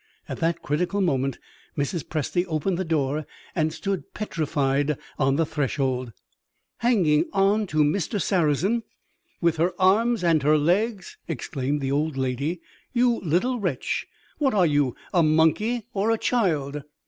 At that critical moment Mrs. Presty opened the door, and stood petrified on the threshold. "Hanging on to Mr. Sarrazin with her arms and her legs!" exclaimed the old lady. "You little wretch, which are you, a monkey or a child?"